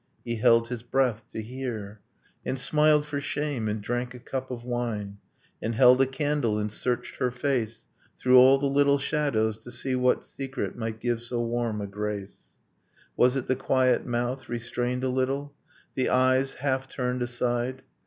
. He held his breath to hear, And smiled for shame, and drank a cup of wine, And held a candle, and searched her face Through all the little shadows, to see what secret Might give so warm a grace ... Was it the quiet mouth, restrained a little? The eyes, half turned aside?